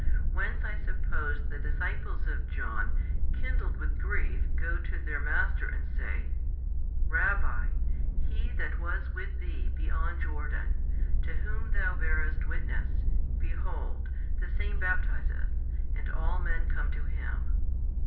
Whence I suppose the disciples of John kindled with grief go to their master and say, Rabbi, He |202 That was with thee beyond Jordan, to Whom thou barest witness, behold, the Same baptizeth, and all men come to Him.